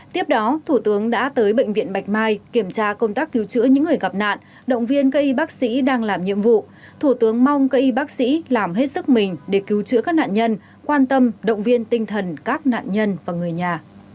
tiếp đó thủ tướng đã tới bệnh viện bạch mai kiểm tra công tác cứu chữa những người gặp nạn động viên cây bác sĩ đang làm nhiệm vụ thủ tướng mong cây bác sĩ làm hết sức mình để cứu chữa các nạn nhân quan tâm động viên tinh thần các nạn nhân và người nhà